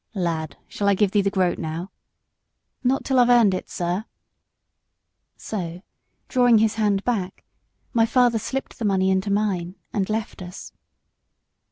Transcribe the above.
"Lad, shall I give thee the groat now?" "Not till I've earned it, sir." So, drawing his hand back, my father slipped the money into mine, and left us.